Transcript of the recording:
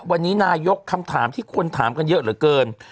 วันนี้นายกคำถามที่คนถามกันเยอะเหลือเกิน